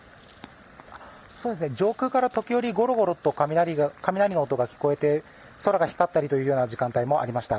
上空から時折ゴロゴロと雷の音が聞こえて空が光ったりというような時間帯もありました。